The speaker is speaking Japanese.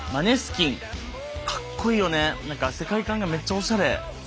何か世界観がめっちゃオシャレ。